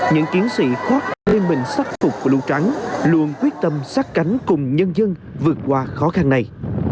những chiến sĩ khoác liên minh sắc phục của lưu trắng luôn quyết tâm sát cánh cùng nhân dân vượt qua khó khăn này